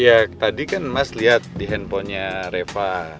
iya tadi kan mas liat di handphonenya reva